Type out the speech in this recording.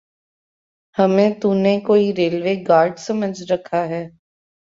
ہمیں تو نے کوئی ریلوے گارڈ سمجھ رکھا ہے؟